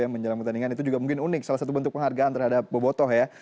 menjelang pertandingan itu juga mungkin unik salah satu bentuk penghargaan terhadap bobotoh ya